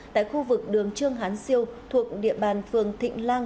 tại khu vực đường trương hán siêu thuộc địa bàn phường thịnh lan